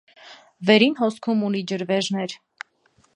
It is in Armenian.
Վերին հոսքում ունի ջրվեժներ։